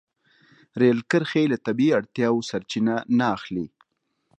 رېل کرښې له طبیعي اړتیاوو سرچینه نه اخلي.